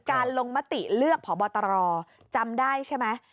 ลงมติเลือกผอบตรจำได้ใช่ไหม